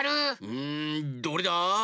うんどれだ？